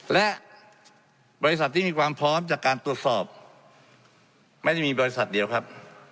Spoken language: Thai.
และบริษัทที่มีความพร้อมจากการตรวจสอบไม่ได้มีบริษัทเดียวครับ